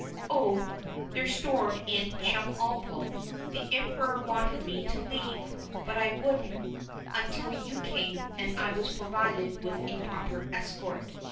"Oh, they're stored in Chemulpo. The Emperor wanted me to leave, but I wouldn't until you came and I was provided with a proper escort.